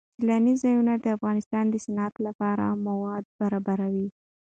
سیلانی ځایونه د افغانستان د صنعت لپاره مواد برابروي.